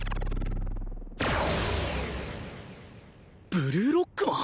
ブルーロックマン！？